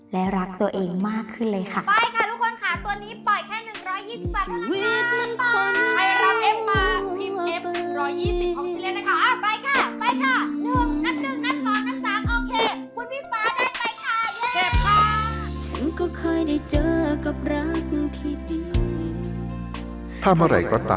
นิดนิดนิด